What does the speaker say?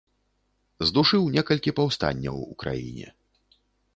Здушыў некалькі паўстанняў у краіне.